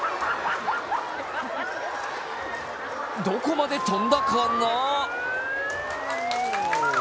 どこまで飛んだかな。